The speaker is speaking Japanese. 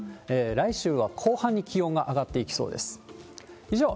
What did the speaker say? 来週は後半に気温が上がっていきそうです。